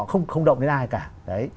họ không động đến ai cả